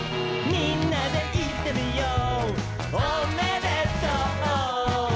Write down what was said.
「みんなでいってみよう」